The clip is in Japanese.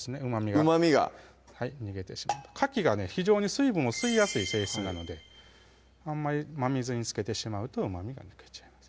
うまみが逃げてしまうかきがね非常に水分を吸いやすい性質なのであんまり真水につけてしまうとうまみが抜けちゃいます